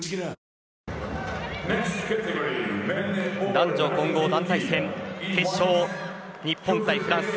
男女混合団体戦決勝日本対フランス。